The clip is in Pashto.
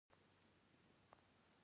او بل که د لیکوالۍ فن زده کول وي.